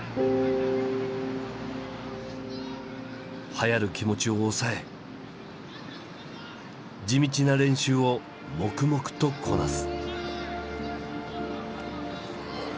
はやる気持ちをおさえ地道な練習を黙々とこなす。